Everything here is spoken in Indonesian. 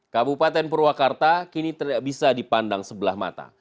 kabupaten purwakarta kini tidak bisa dipandang sebelah mata